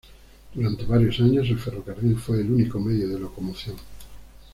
Durante varios años el ferrocarril fue el único medio de locomoción.